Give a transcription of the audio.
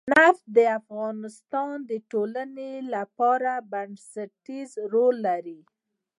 نفت د افغانستان د ټولنې لپاره بنسټيز رول لري.